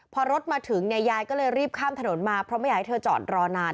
พอรถมาถึงเนี่ยยายก็เลยรีบข้ามถนนมาเพราะไม่อยากให้เธอจอดรอนาน